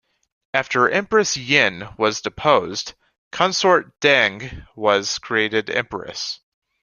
After Empress Yin was deposed, Consort Deng was created empress.